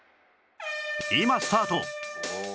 今スタート